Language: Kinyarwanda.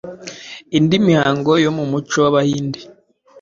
indi mihango yo mu muco w’Abahinde